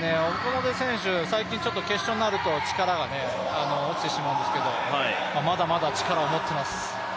最近決勝になると力が落ちてしまうんですけどまだまだ力を持っています。